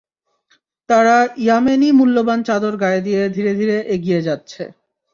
তারা ইয়ামেনী মূল্যবান চাদর গায়ে দিয়ে ধীরে ধীরে এগিয়ে যাচ্ছে।